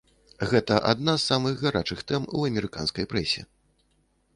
Гэта адна з самых гарачых тэм у амерыканскай прэсе.